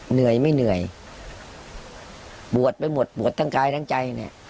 เหนื่อยไม่เหนื่อยบวชไปหมดบวชทั้งกายทั้งใจเนี่ย